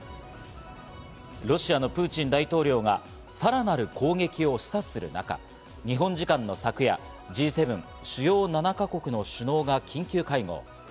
ロシアのプーチン大統領がさらなる攻撃を示唆する中、日本時間の昨夜、Ｇ７＝主要７か国の首脳が緊急会合。